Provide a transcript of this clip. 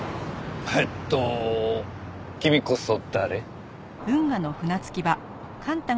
えっと君こそ誰？